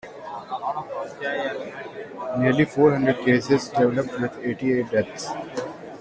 Nearly four hundred cases developed with eighty-eight deaths.